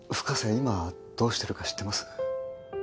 今どうしてるか知ってます？